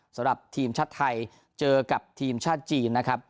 สำหรับทีมชาติไทยเจอกับทีมชาติจีนนะครับ